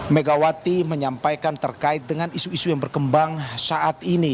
megawati menyampaikan terkait dengan isu isu yang berkembang saat ini